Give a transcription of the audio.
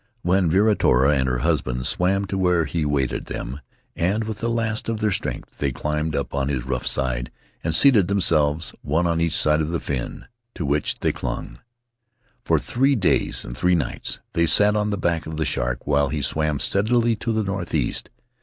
Then Viritoa and her husband swam to where he awaited them, and with the last of their strength they clambered up his rough side and seated themselves one on each side of the fin, to which they clung. Tahitian Tales "For three days and three nights they sat on the back of the shark while he swam steadily to the north east.